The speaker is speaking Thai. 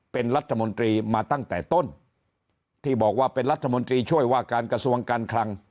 เป็นรัฐมนตรีมาตั้งแต่ต้นที่บอกว่าเป็นรัฐมนตรีช่วยว่าการกระทรวงการคลัง